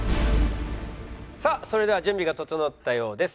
さあそれでは準備が整ったようです。